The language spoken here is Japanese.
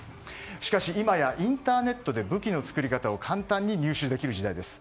しかし今やインターネットで武器の作り方を簡単に入手できる時代です。